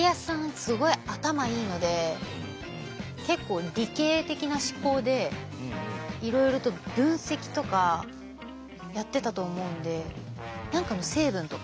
すごい頭いいので結構理系的な思考でいろいろと分析とかやってたと思うんで何かの成分とか？